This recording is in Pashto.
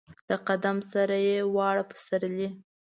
د قدم سره یې واړه پسرلي